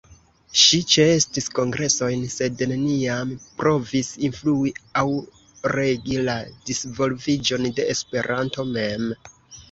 Ŝi ĉeestis kongresojn, sed neniam provis influi aŭ regi la disvolviĝon de Esperanto mem.